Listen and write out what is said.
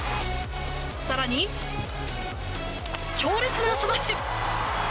更に、強烈なスマッシュ！